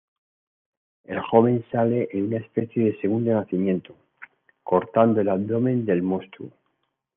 El joven sale en una especie de segundo nacimiento, cortando el abdomen del monstruo.